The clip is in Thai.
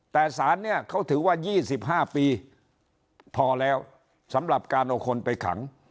แต่สารเนี่ยเขาถือว่า๒๕ปีพอแล้วสำหรับการเอาคนไปขัง